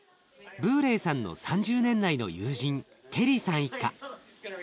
ブーレイさんの３０年来の友人ケリーさん一家。